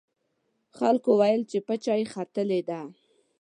خلکو ویل چې پچه یې ختلې ده.